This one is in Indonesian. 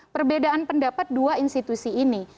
perbedaan pendapat dua institusi ini